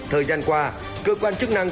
thời gian qua cơ quan chức năng